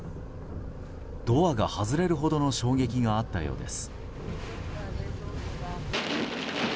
ドアが外れるほどの衝撃があったようです。